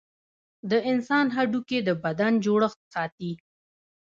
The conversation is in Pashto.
د انسان هډوکي د بدن جوړښت ساتي.